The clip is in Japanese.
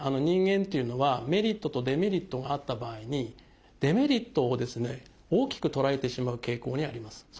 人間っていうのはメリットとデメリットがあった場合にデメリットをですね大きく捉えてしまう傾向にあります。